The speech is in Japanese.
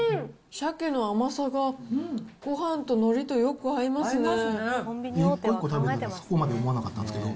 シャケの甘さがごはんとのりとよく合いますね。